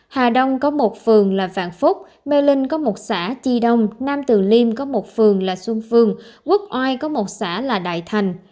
hà đông có một phường là vạn phúc mê linh có một xã chi đông nam từ liêm có một phường là xuân phương quốc oai có một xã là đại thành